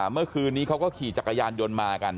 เมื่อคืนนี้เขาก็ขี่จักรยานยนต์มากัน